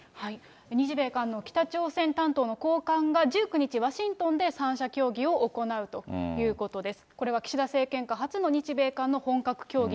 日米韓の北朝鮮担当の高官が１９日、ワシントンで３者協議を行うということです。